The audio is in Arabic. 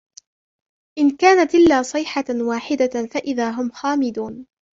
إن كانت إلا صيحة واحدة فإذا هم خامدون